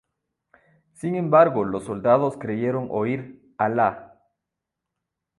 Sin embargo los soldados creyeron oír "¡Alá!